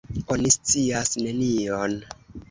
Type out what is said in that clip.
Oni scias nenion.